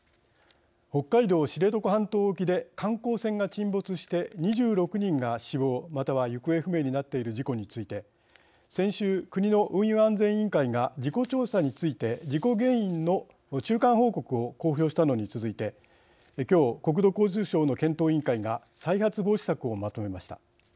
北海道・知床半島沖で観光船が沈没して２６人が死亡または行方不明になっている事故について先週、国の運輸安全委員会が事故調査について事故原因の中間報告を公表したのに続いて今日、国土交通省の検討委員会が再発防止策をまとめました。